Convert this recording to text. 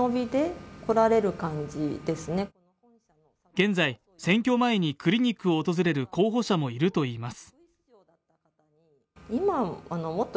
現在、選挙前にクリニックを訪れる候補者もいるといいます。